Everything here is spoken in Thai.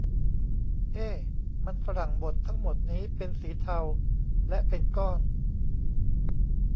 เฮ้ ! มันฝรั่งบดทั้งหมดนี้เป็นสีเทาและเป็นก้อน !